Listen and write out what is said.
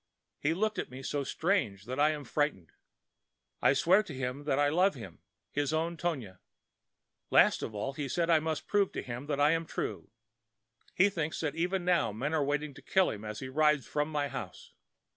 He looked at me so strange that I am frightened. I swear to him that I love him, his own Tonia. Last of all he said I must prove to him I am true. He thinks that even now men are waiting to kill him as he rides from my house.